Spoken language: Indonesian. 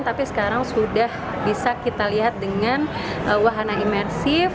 tapi sekarang sudah bisa kita lihat dengan wahana imersif